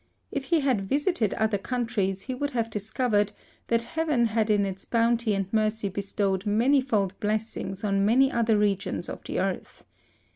—If he had visited other countries, he would have discovered, that Heaven had in its bounty and mercy bestowed manifold blessings on many other regions of the earth.